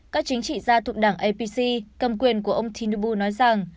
các chính trị gia thuộc đảng apc cầm quyền của ông tinnubu nói rằng